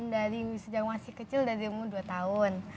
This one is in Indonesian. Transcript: dari sejak masih kecil dari umur dua tahun